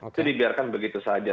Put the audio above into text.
itu dibiarkan begitu saja